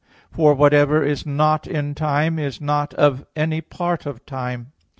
For whatever is not in time, is not of any part of time.